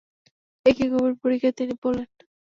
এ কী গভীর পরীক্ষায় তিনি পড়লেন।